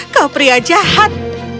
kau pria jahat